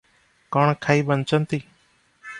କଣ ଖାଇ ବଞ୍ଚନ୍ତି?